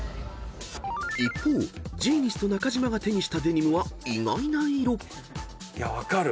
［一方ジーニスト中島が手にしたデニムは意外な色］分かる。